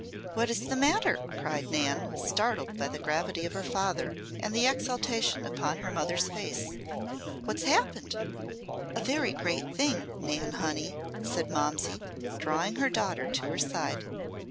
"What is the matter?" cried Nan, startled by the gravity of her father and the exaltation upon her mother's face. "What's happened?" "A very great thing, Nan, honey," said Momsey, drawing her daughter to her side.